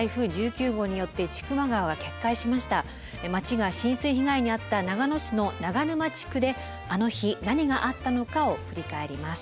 町が浸水被害に遭った長野市の長沼地区であの日何があったのかを振り返ります。